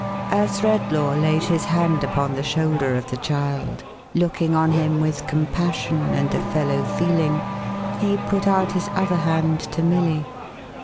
As Redlaw laid his hand upon the shoulder of the child, looking on him with compassion and a fellow feeling, he put out his other hand to Milly.